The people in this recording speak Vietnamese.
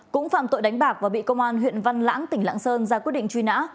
cũng phạm tội đánh bạc và bị công an huyện văn lãng tỉnh lạng sơn ra quyết định truy nã